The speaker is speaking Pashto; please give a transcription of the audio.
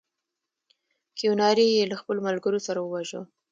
کیوناري یې له خپلو ملګرو سره وواژه.